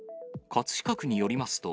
葛飾区によりますと、